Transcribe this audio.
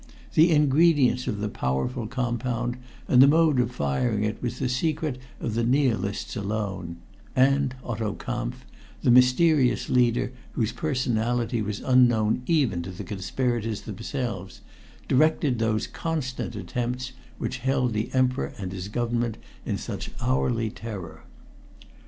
The ingredients of the powerful compound and the mode of firing it was the secret of the Nihilists alone and Otto Kampf, the mysterious leader, whose personality was unknown even to the conspirators themselves, directed those constant attempts which held the Emperor and his Government in such hourly terror.